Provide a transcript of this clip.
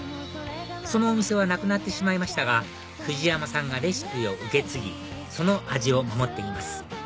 そのお店はなくなってしまいましたが藤山さんがレシピを受け継ぎその味を守っています